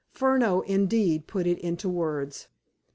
Furneaux, indeed, put it into words.